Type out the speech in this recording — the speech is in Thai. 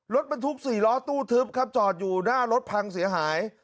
รถบรรทุก๔ล้อตู้ทึบครับจอดอยู่หน้ารถพังเสียหาย